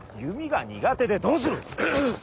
弓が苦手でどうする。